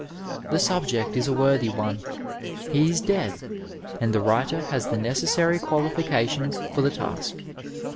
The subject is a worthy one, he is dead, and the writer has the necessary qualifications for the task.